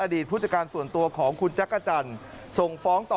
อดีตผู้จักรส่วนตัวของคุณจั๊กกจันส่งฟ้องต่อ